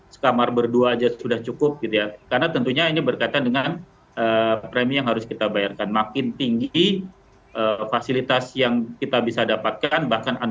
sekamar berdua aja sudah cukup karena tentunya ini berkaitan dengan premi yang harus kita bayarkan makin tinggi fasilitas yang lebih tinggi dan lebih tinggi dari perusahaan yang ada di dalam negara